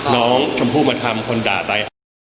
น้องชมพู่มาทำคนด่าตาย